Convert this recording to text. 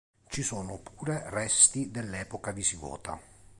Ci sono pure resti dell'epoca visigota.